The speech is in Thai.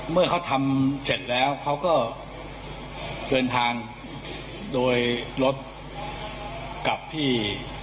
เมื่อเขาทำเสร็จแล้วเขาก็เดินทางโดยรถกลับที่